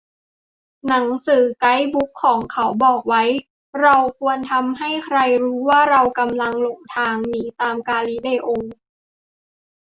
"หนังสือไกด์บุ๊กเขาบอกไว้ เราไม่ควรทำให้ใครรู้ว่าเรากำลังหลงทาง " หนีตามกาลิเลโอ